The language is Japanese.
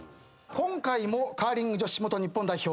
今回もカーリング女子元日本代表